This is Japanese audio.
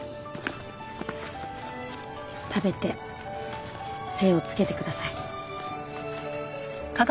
食べて精をつけてください。